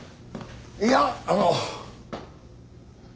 いやあの。